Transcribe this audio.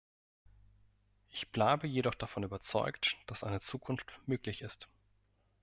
Ich bleibe jedoch davon überzeugt, dass eine Zukunft möglich ist.